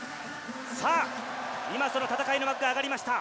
さあ、今、その戦いの幕が上がりました。